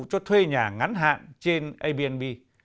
cho thuê nhà ngắn hạn trên airbnb